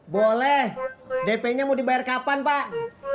boleh dp nya mau dibayar kapan pak